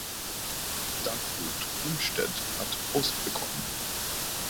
Dagwood Bumstead hat Post bekommen.